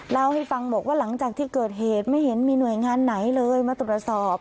เล่าให้ฟังบอกว่าหลังจากที่เกิดเหตุไม่เห็นมีหน่วยงานไหนเลยมาตรวจสอบ